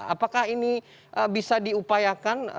apakah ini bisa diupayakan